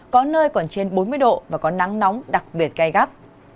có nơi còn trên bốn mươi độ và có nắng nóng đặc biệt gai gắt